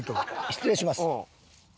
失礼します。